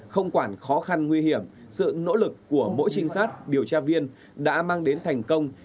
không quản khó khăn nguy hiểm sự nỗ lực của mỗi trinh sát điều tra viên đã mang đến thành công